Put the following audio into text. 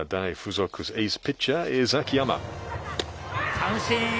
三振。